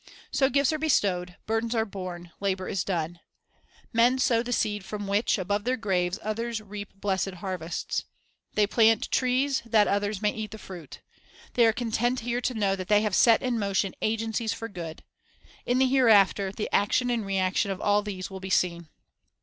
So gifts are bestowed, burdens are borne, labor is done. Men sow the seed from which, above their graves, others reap blessed harvests. They plant trees, that others may eat the fruit. They are content here to know that they have set in motion agencies for good. In the hereafter the action and reaction of all these will be seen.